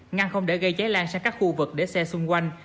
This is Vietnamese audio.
ngăn không để gây cháy lan sang các khu vực để xe xung quanh